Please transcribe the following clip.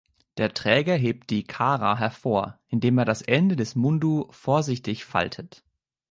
Der Träger hebt die „Kara“ hervor, indem er das Ende des Mundu vorsichtig faltet.